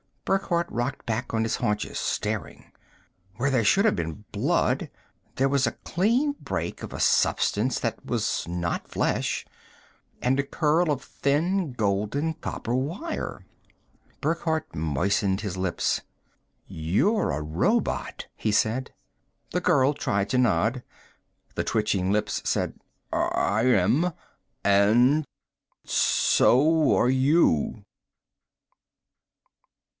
Burckhardt rocked back on his haunches, staring. Where there should have been blood, there was a clean break of a substance that was not flesh; and a curl of thin golden copper wire. Burckhardt moistened his lips. "You're a robot," he said. The girl tried to nod. The twitching lips said, "I am. And so are you."